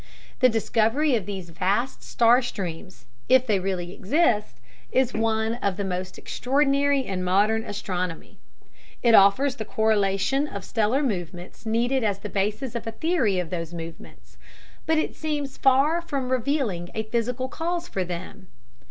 The discovery of these vast star streams, if they really exist, is one of the most extraordinary in modern astronomy. It offers the correlation of stellar movements needed as the basis of a theory of those movements, but it seems far from revealing a physical cause for them.